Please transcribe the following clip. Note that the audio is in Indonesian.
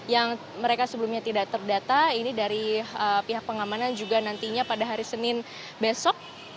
yang mereka sebelumnya tidak terdata ini dari pihak pengamanan juga nantinya pada hari senin besok